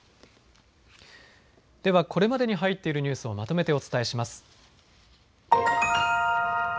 では、これまでに入っているニュースをまとめてお伝えします。